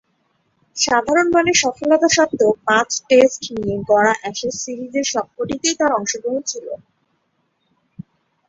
সাধারণমানের সফলতা স্বত্ত্বেও পাঁচ-টেস্ট নিয়ে গড়া অ্যাশেজ সিরিজের সবকটিতেই তার অংশগ্রহণ ছিল।